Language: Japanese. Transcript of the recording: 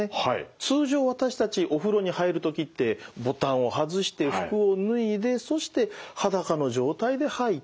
通常私たちお風呂に入る時ってボタンを外して服を脱いでそして裸の状態で入って。